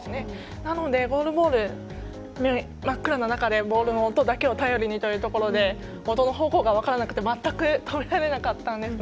なので、ゴールボール真っ暗な中でボールの音だけを頼りにということで音の方向が分からなくて全くとらえられなかったんです。